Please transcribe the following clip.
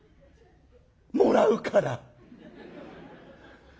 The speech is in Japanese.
もらうから」。